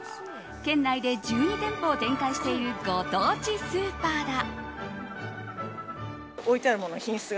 県内で１２店舗を展開しているご当地スーパーだ。